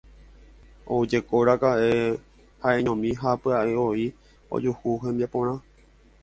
Oújekoraka'e ha'eñomi ha pya'evoi ojuhu hembiaporã.